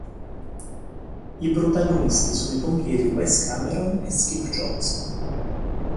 I protagonisti sono i pompieri Wes Cameron e Skip Johnson.